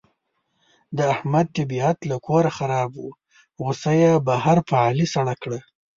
د احمد طبیعت له کوره خراب و، غوسه یې بهر په علي سړه کړه.